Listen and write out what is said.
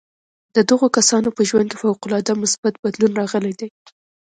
د دغو کسانو په ژوند کې فوق العاده مثبت بدلون راغلی دی